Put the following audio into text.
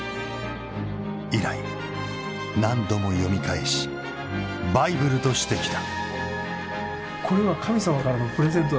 以来何度も読み返しバイブルとしてきた。